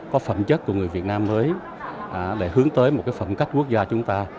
có phẩm chất của người việt nam mới để hướng tới một phẩm cách quốc gia chúng ta